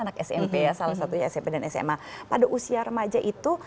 anak smp ya salah satunya smp dan sma pada usia remaja itu